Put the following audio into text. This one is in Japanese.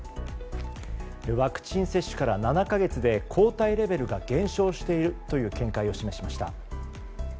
ワクチン接種から７か月で抗体レベルが減少しているという見解を示しました。